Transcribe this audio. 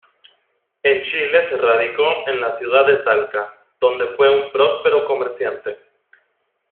En Chile se radicó en la ciudad de Talca, donde fue un próspero comerciante.